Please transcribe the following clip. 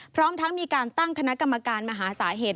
พร้อมทั้งมีการตั้งคณะกรรมการมหาสาเหตุ